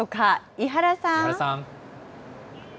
伊原さん。